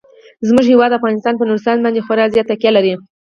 زموږ هیواد افغانستان په نورستان باندې خورا زیاته تکیه لري.